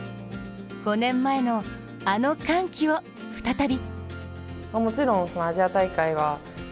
５年前の、あの歓喜を再び。